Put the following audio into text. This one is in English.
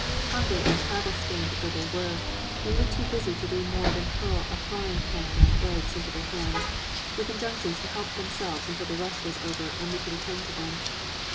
Hungry and travel stained though they were, we were too busy to do more than hurl a frying pan and eggs into their hands, with injunctions to help themselves until the rush was over and we could attend to them.